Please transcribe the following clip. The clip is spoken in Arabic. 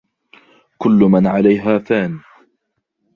" كل من عليها فانٍ ".